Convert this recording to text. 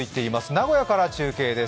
名古屋から中継です。